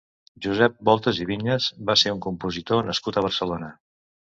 Josep Voltas i Viñas va ser un compositor nascut a Barcelona.